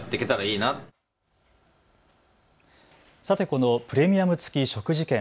このプレミアム付き食事券。